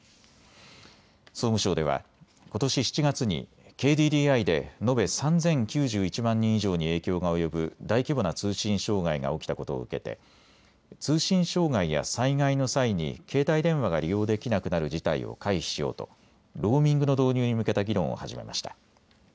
総務省ではことし７月にＫＤＤＩで延べ３０９１万人以上に影響が及ぶ大規模な通信障害が起きたことを受けて通信障害や災害の際に携帯電話が利用できなくなる事態を回避しようとローミングの導入に向けた議論を始めました。